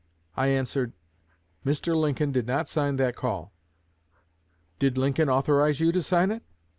I answered, 'Mr. Lincoln did not sign that call.' 'Did Lincoln authorize you to sign it?'